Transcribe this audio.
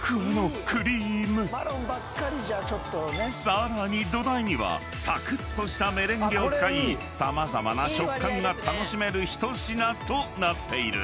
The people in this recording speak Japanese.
［さらに土台にはサクッとしたメレンゲを使い様々な食感が楽しめる一品となっている］